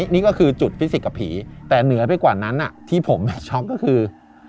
นี่ก็คือจุดฟิสิกส์กับผีแต่เหนือไปกว่านั้นที่ผมช็อกก็คือ